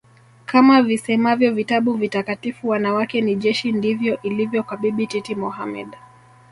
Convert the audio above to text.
Kama visemavyo vitabu vitakatifu wanawake ni jeshi ndivyo ilivyo kwa Bibi Titi Mohamed